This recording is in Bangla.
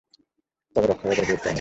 তবে রক্ষায় এদের গুরুত্ব অনেক।